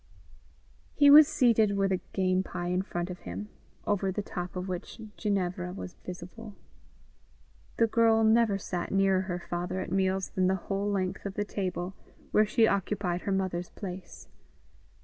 He was seated with a game pie in front of him, over the top of which Ginevra was visible. The girl never sat nearer her father at meals than the whole length of the table, where she occupied her mother's place.